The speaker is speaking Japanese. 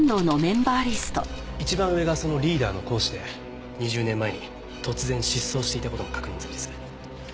一番上がそのリーダーの講師で２０年前に突然失踪していた事も確認済みです。